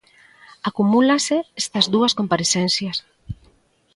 Acumúlanse estas dúas comparecencias.